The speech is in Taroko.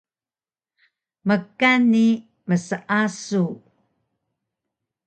Mkan ni mseasug